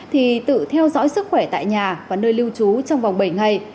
thì tự theo dõi sức khỏe tại nhà và nơi lưu trú trong vòng bảy ngày